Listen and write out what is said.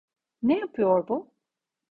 Ne yapıyor bu?